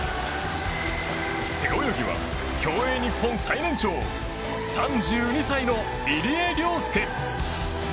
背泳ぎは競泳日本最年長３２歳の入江陵介。